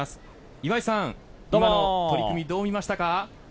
岩井さん、取組どう見ましたか？